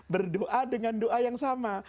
berdoa dengan doa yang sama